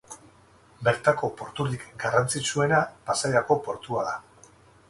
Bertako porturik garrantzitsuena Pasaiako portua da.